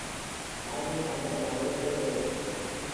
வறுமை வந்த பிறகு வீடு எதற்கு?